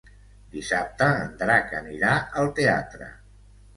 Dissabte en Drac anirà al teatre.